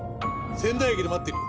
仙台駅で待ってるよ。